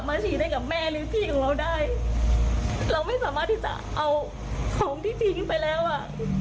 ฉีดให้กับแม่หรือพี่ของเราได้เราไม่สามารถที่จะเอาของที่ทิ้งไปแล้วอ่ะ